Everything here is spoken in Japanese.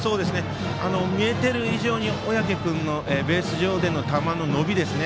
見えている以上に小宅君のベース上での球の伸びですね。